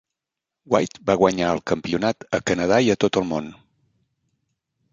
White va guanyar el campionat a Canadà i a tot el món.